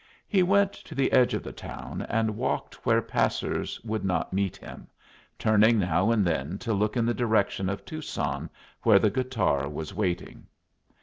He went to the edge of the town and walked where passers would not meet him, turning now and then to look in the direction of Tucson, where the guitar was waiting.